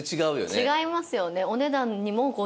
違いますよね。